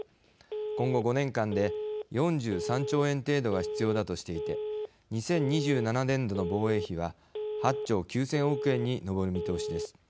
今後５年間で４３兆円程度が必要だとしていて２０２７年度の防衛費は８兆９０００億円に上る見通しです。